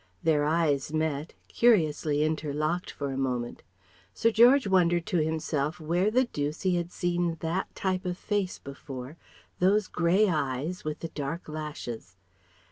Their eyes met, curiously interlocked for a moment. Sir George wondered to himself where the dooce he had seen that, type of face before, those grey eyes with the dark lashes.